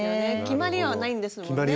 決まりはないんですもんね。